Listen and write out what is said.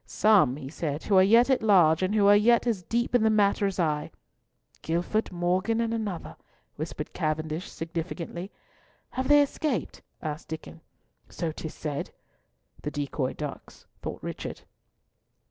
Some," he said, "who are yet at large, and who are yet as deep in the matter as I—" "Gifford, Morgan, and another," whispered Cavendish significantly. "Have they escaped?" asked Diccon. "So 'tis said." "The decoy ducks," thought Richard.